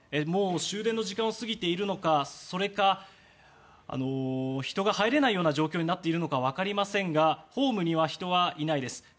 もう終電の時間を過ぎているのかそれか人が入れないような状況になっているのか分かりませんがホームに人はいないです。